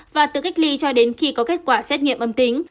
và từ cách ly cho đến khi có kết quả xét nghiệm âm tính